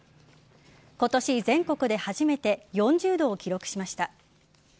今年、全国で初めて４０度を記録しました。